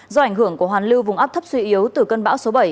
do ảnh hưởng của hoàn lưu vùng áp thấp suy yếu từ cơn bão số bảy